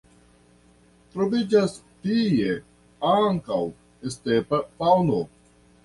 Troviĝas tie ankaŭ stepa faŭno.